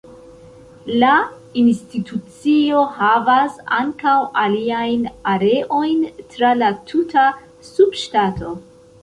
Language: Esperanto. La institucio havas ankaŭ aliajn areojn tra la tuta subŝtato.